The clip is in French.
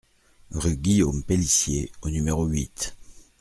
Rue Guillaume Pellicier au numéro huit